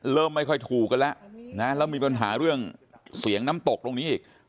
ไม่ค่อยถูกกันแล้วนะแล้วมีปัญหาเรื่องเสียงน้ำตกตรงนี้อีก